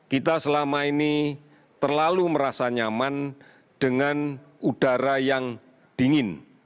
kita selama ini terlalu merasa nyaman dengan udara yang dingin